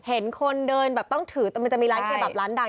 เห็นคนเดินแบบต้องถือแต่มันจะมีร้านเคแบบร้านดัง